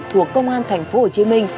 thuộc công an tp hcm